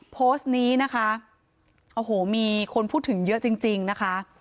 โพสต์นี้นะคะโอ้โหมีคนพูดถึงเยอะจริงนะคะ